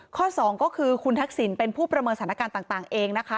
สองก็คือคุณทักษิณเป็นผู้ประเมินสถานการณ์ต่างเองนะคะ